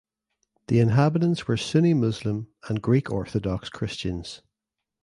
The inhabitants were Sunni Muslim and Greek Orthodox Christians.